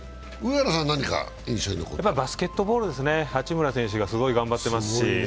バスケットボール、八村選手がすごい頑張ってますね。